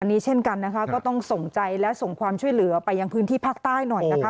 อันนี้เช่นกันนะคะก็ต้องส่งใจและส่งความช่วยเหลือไปยังพื้นที่ภาคใต้หน่อยนะคะ